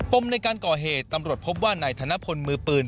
ในการก่อเหตุตำรวจพบว่านายธนพลมือปืน